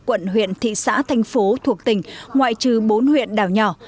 quận huyện thị xã thành phố thuộc tỉnh ngoại trừ bốn huyện đảo nhỏ